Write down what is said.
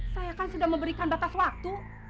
saya kan sudah memberikan batas waktu